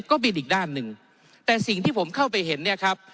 ก็บินอีกด้านหนึ่งแต่สิ่งที่ผมเข้าไปเห็นเนี่ยครับ